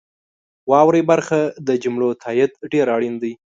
واورئ برخه د جملو تایید ډیر اړین دی.